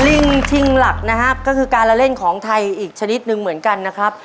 ลิงชิงหลักนะครับก็คือการละเล่นของไทยอีกชนิดหนึ่งเหมือนกันนะครับ